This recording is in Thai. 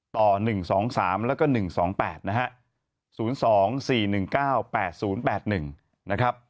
๐๒๔๑๙๘๐๘๑ต่อ๑๒๓แล้วก็๑๒๘นะฮะ